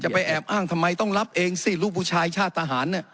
ไปแอบอ้างทำไมต้องรับเองสิลูกผู้ชายชาติทหาร